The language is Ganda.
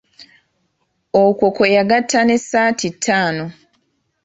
Okwo kwe yagatta n'essaati ttaano.